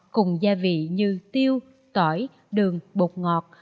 cùng gia vị như tiêu tỏi đường bột ngọt